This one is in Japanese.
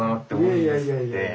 いやいやいやいや。